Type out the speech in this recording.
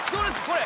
これ。